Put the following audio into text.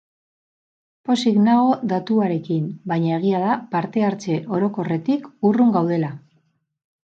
Pozik nago datuarekin, baina egia da parte-hartze orokorretik urrun gaudela.